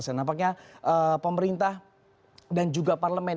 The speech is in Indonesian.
nampaknya pemerintah dan juga parlemen